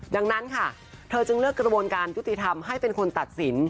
ดังนั้นค่ะเธอจึงเลือกกระบวนการยุติธรรมให้เป็นคนตัดสิน